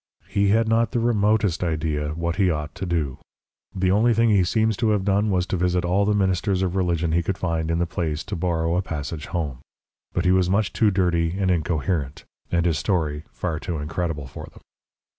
He had not the remotest idea what he ought to do. The only thing he seems to have done was to visit all the ministers of religion he could find in the place to borrow a passage home. But he was much too dirty and incoherent and his story far too incredible for them.